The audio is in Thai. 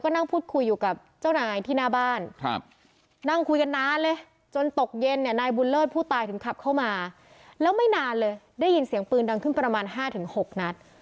นายบุญเลิศผู้ตายถึงขับเข้ามาแล้วไม่นานเลยได้ยินเสียงปืนดังขึ้นประมาณ๕๖นัด